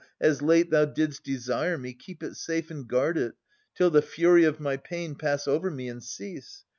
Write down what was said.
As late thou didst desire me, keep it safe And guard it, till the fury of my pain Pass over me and cease.